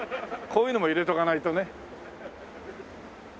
こういうのも入れておかないとね。